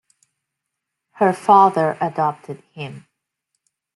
Her father adopted him.